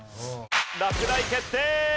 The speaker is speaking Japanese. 落第決定！